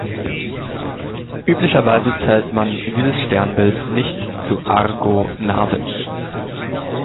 Üblicherweise zählt man dieses Sternbild nicht zu Argo Navis.